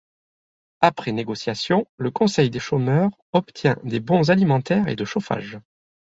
Après négociation, le conseil des chômeurs obtient des bons alimentaires et de chauffage.